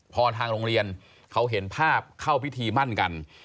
พอทางโรงเรียนเขาเห็นภาพเข้าพิธีมั่นกัน